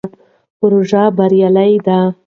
پروژه بریالۍ ده.